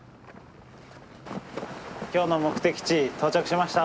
今日の目的地到着しました。